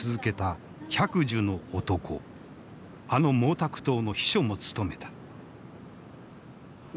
あの毛沢東の秘書も務めた。